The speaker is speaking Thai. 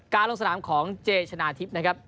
ลงสนามของเจชนะทิพย์นะครับ